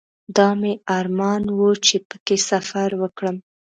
دا مې ارمان و چې په کې سفر وکړم.